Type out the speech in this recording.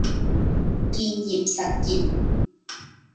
建業實業